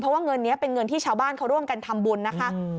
เพราะว่าเงินนี้เป็นเงินที่ชาวบ้านเขาร่วมกันทำบุญนะคะ